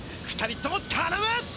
２人ともたのむ！